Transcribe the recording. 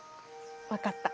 分かった。